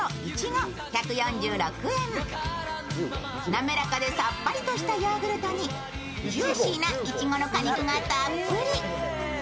滑らかでさっぱりとしたヨーグルトにジューシーないちごの果肉がたっぷり。